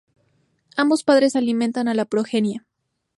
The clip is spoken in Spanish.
Ambos padres alimentan a la progenie.